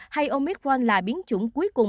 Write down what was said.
hay omicron là biến chủng cuối cùng